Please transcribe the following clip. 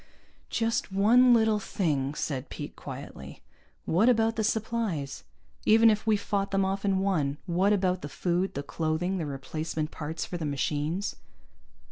"Just one little thing," said Pete quietly. "What about the supplies? Even if we fought them off and won, what about the food, the clothing, the replacement parts for the machines?"